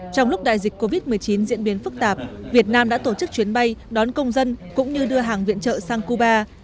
trong lúc đại dịch covid một mươi chín diễn biến phức tạp việt nam đã tổ chức chuyến bay đón công dân cũng như đưa hàng viện trợ sang cuba